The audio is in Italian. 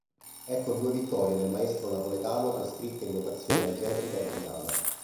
Ecco due vittorie del maestro napoletano trascritte in notazione algebrica italiana.